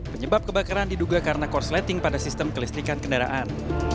penyebab kebakaran diduga karena korsleting pada sistem kelistrikan kendaraan